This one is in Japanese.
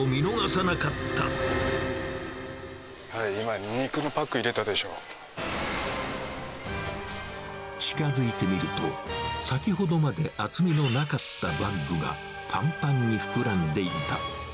はい、近づいてみると、先ほどまで厚みのなかったバッグが、ぱんぱんに膨らんでいた。